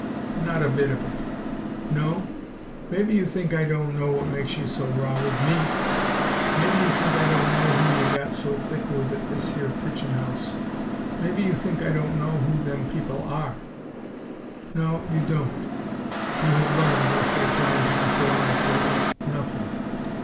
"Not a bit of it!" "No? Maybe you think I don't know what makes you so raw with ME? Maybe you think I don't know who ye've got so thick with at this here Pigeon House; maybe you think I don't know who them people ARE!" "No, you don't. You have learned," I said, trying to control my excitement, "nothing!